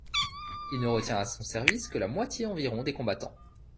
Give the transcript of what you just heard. Il ne retient à son service que la moitié environ des combattants.